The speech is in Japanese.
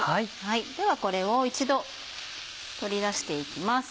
ではこれを一度取り出していきます。